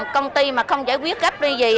công ty mà không giải quyết gấp đi gì